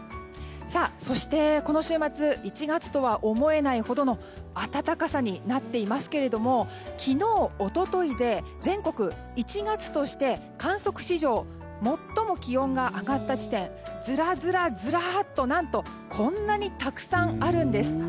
そして、この週末１月とは思えないほどの暖かさになっていますけれども昨日、一昨日で全国、１月として観測史上最も気温が上がった地点ずらずらずらっとこんなにたくさんあるんです。